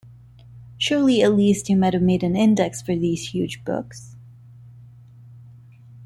Surely at least you might have made an Index for these huge books!